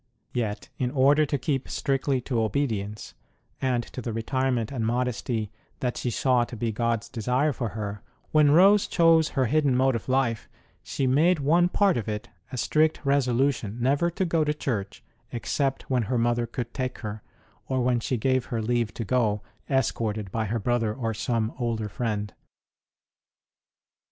Yet, in order to keep strictly to obedience, and to the retirement and modesty that she saw to be God s desire for her, when Rose chose her hidden mode of life she made one part of it a strict resolution never to go to church except when her mother could take her, or when she gave her leave to go, escorted by her brother or some older friend.